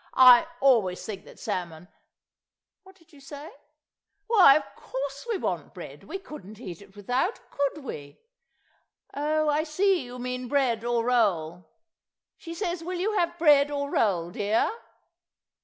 I always think that salmon—— .... What did you say? ... Why, of course we want bread! We couldn't eat it without, could we? ... Oh, I see, you mean bread or roll? She says will you have bread or roll, dear?